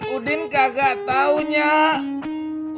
udin kagak tau nyak